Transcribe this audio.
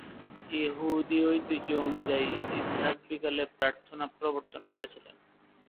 ইহুদি ঐতিহ্য অনুযায়ী, ইসহাক বিকেলে প্রার্থনা প্রবর্তন করেছিলেন।